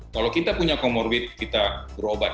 kalau kita punya comorbid kita berobat